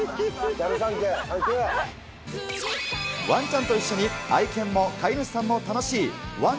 ギャルサンキュー、ワンちゃんと一緒に愛犬も飼い主さんも楽しいワン！